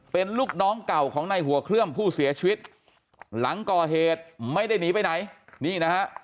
เป็นลูกน้องเก่าของในหัวเคลือมผู้เสียชีวิตหลังก่อเหตุไม่ได้หนีไปไหนนี่นะฮะ